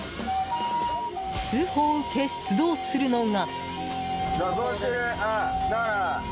通報を受け出動するのが。